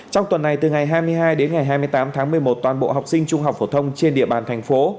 trong tuần này từ ngày hai mươi hai đến ngày hai mươi tám tháng một mươi một toàn bộ học sinh trung học phổ thông trên địa bàn thành phố